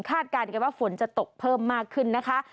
การกันว่าฝนจะตกเพิ่มมากขึ้นนะคะ